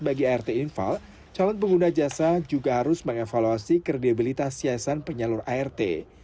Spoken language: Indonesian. bagi art infal calon pengguna jasa juga harus mengevaluasi kredibilitas siasan penyalur art